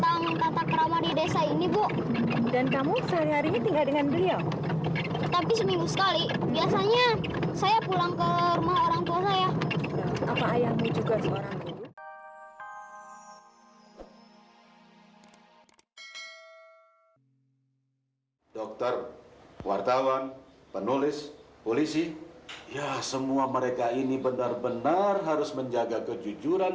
hai dokter wartawan penulis polisi ya semua mereka ini benar benar harus menjaga kejujuran